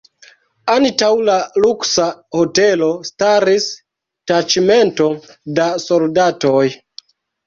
Antaŭ la luksa hotelo staris taĉmento da soldatoj.